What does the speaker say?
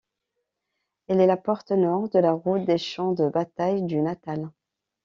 Elle est la porte nord de la route des champs de bataille du Natal.